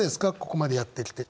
ここまでやってきて。